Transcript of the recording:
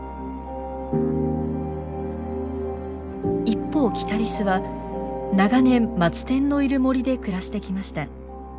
一方キタリスは長年マツテンのいる森で暮らしてきました。